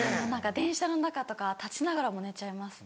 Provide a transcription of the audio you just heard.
電車の中とか立ちながらも寝ちゃいます。